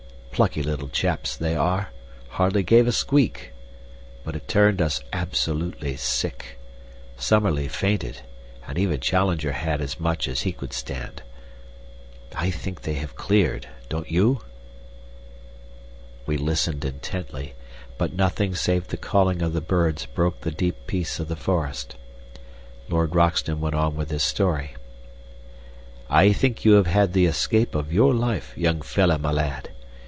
Plucky little chaps they are, and hardly gave a squeak. But it turned us absolutely sick. Summerlee fainted, and even Challenger had as much as he could stand. I think they have cleared, don't you?" We listened intently, but nothing save the calling of the birds broke the deep peace of the forest. Lord Roxton went on with his story. "I think you have had the escape of your life, young fellah my lad.